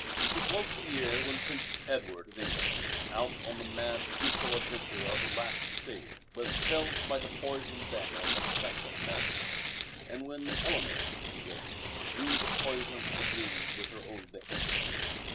It was the year when Prince Edward of England, out on the mad, futile adventure of the last Crusade, was felled by the poisoned dagger of an assassin in Nazareth, and when Eleanor (we are told) drew the poison from the wound with her own lips.